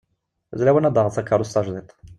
D lawan ad d-taɣeḍ takerrus tajdiṭ.